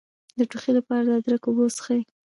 د ټوخي لپاره د ادرک اوبه وڅښئ